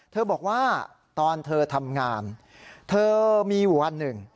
เธอบอกว่าตอนเธอทำงานเธอมีอยู่วันหนึ่ง